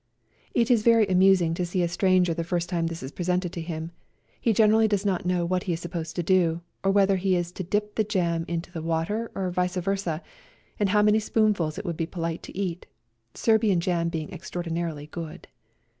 It is very amusing to see a stranger the first time this is presented to him ; he generally does not know what he is sup posed to do, or whether he is to dip the jam into the water, or vice versa, and how many spoonfuls it would be polite to eat, Serbian jam being extraordinarily good.